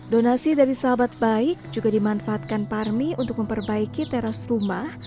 donasi dari sahabat baik juga dimanfaatkan parmi untuk memperbaiki teras rumah